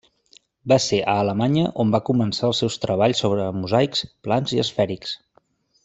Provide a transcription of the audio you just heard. Va ser a Alemanya on va començar els seus treballs sobre mosaics plans i esfèrics.